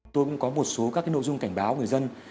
tôi cũng có một số các nội dung cảnh báo người dân